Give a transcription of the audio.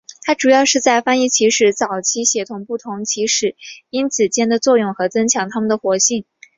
它主要是在翻译起始早期协同不同起始因子间的作用和增强它们的活性。